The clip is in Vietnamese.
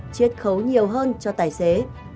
chiết khấu nhiều hơn cho tài xế